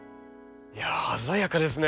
いやあ鮮やかですね。